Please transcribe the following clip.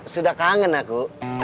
sudah kangen aku